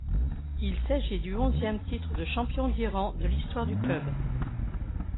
Il s'agit du onzième titre de champion d'Iran de l'histoire du club.